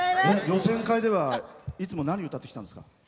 予選会ではいつも何歌ってたんですか？